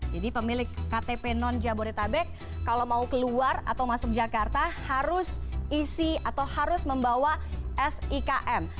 jadi pemilik ktp non jabodetabek kalau mau keluar atau masuk jakarta harus isi atau harus membawa sikm